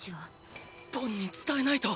ボンに伝えないと！